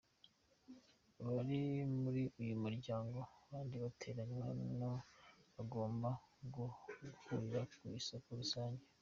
Abari muri uyu muryango kandi biteganywa ko bagomba guhurira ku isoko rusange.